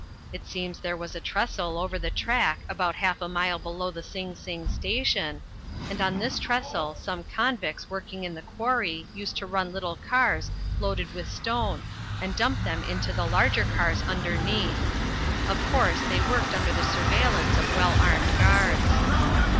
It seems there was a trestle over the track about half a mile below the Sing Sing station, and on this trestle some convicts working in the quarry used to run little cars loaded with stone and dump them into the larger cars underneath. Of course, they worked under the surveillance of well armed guards.